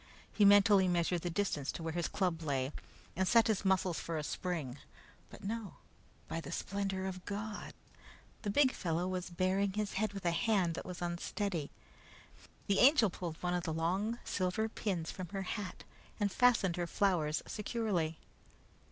He mentally measured the distance to where his club lay and set his muscles for a spring. But no by the splendor of God! The big fellow was baring his head with a hand that was unsteady. The Angel pulled one of the long silver pins from her hat and fastened her flowers securely.